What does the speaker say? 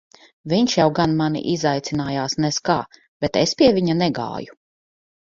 Viņš jau gan mani izaicinājās nez kā, bet es pie viņa negāju.